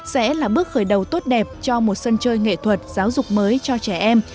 sẽ là bước khởi đầu tốt đẹp cho một sân chơi nghệ thuật giáo dục mới cho trẻ em